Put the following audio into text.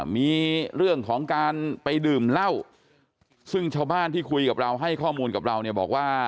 มีเรื่องของการไปดื่มเหล้าซึ่งชาวบ้านที่คุยกับเราให้ข้อมูลกับเราเนี่ยบอกว่า